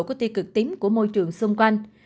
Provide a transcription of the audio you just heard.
của tiêu cực tím của môi trường xung quanh